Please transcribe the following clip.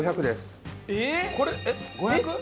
これえっ５００？